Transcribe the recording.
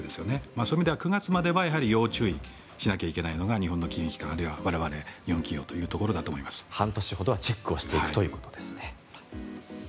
そういう意味では９月までは要注意しないといけないのが日本の金融機関では日本企業ということだと半年ほどチェックしていくということですね。